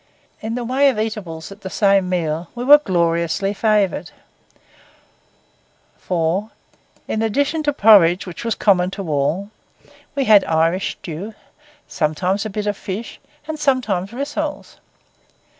In the way of eatables at the same meal we were gloriously favoured; for in addition to porridge, which was common to all, we had Irish stew, sometimes a bit of fish, and sometimes rissoles.